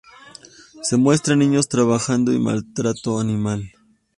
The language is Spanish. Se muestran niños trabajando y maltrato animal.